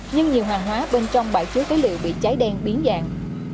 nhưng nhiều hòa hóa bên trong bãi chứa tế liệu bị cháy đen biến dạng